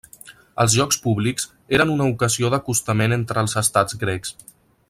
Els jocs públics eren una ocasió d'acostament entre els Estats Grecs.